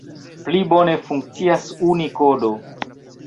Pli bone funkcias Unikodo.